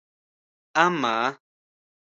اما